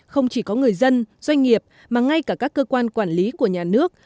không chỉ có người dân doanh nghiệp mà ngay cả các cơ quan quản lý của nhà nước